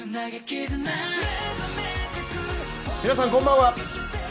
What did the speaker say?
皆さん、こんばんは。